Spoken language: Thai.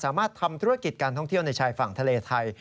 สามารถทำธุรกิจการท่องเที่ยวในชายฝั่งทะเลไทย